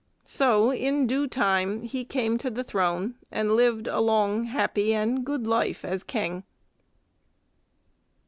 So in due time he came to the throne and lived a long, happy, and good life as king.